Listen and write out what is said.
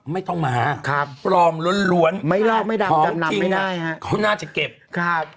ไม่ต้องมาครับปลอมล้วนของจริงไม่ได้ฮะเขาน่าจะเก็บครับ